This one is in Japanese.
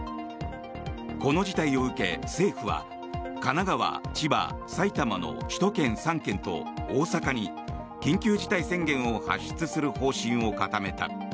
この事態を受け、政府は神奈川、千葉、埼玉の首都圏３県と大阪に緊急事態宣言を発出する方針を固めた。